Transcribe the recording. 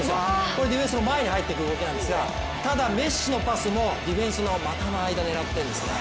これディフェンスの前に入ってくる動きなんですがただメッシのパスもディフェンスの股の間狙ってるんですね。